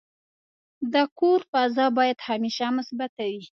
د کور فضا باید همیشه مثبته وي.